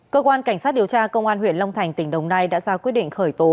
cơ quan cảnh sát điều tra công an huyện long thành tỉnh đồng nai đã ra quyết định khởi tố